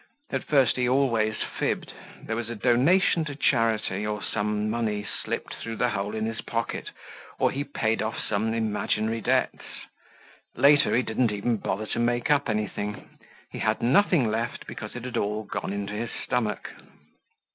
At first he always fibbed; there was a donation to charity, or some money slipped through the hole in his pocket, or he paid off some imaginary debts. Later, he didn't even bother to make up anything. He had nothing left because it had all gone into his stomach.